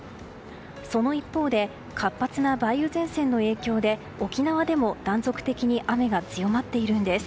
その一方で活発な梅雨前線の影響で沖縄でも断続的に雨が強まっているんです。